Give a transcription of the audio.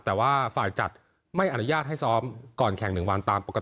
แต่ว่าฝ่ายจัดไม่อนุญาตให้ซ้อมก่อนแข่ง๑วันตามปกติ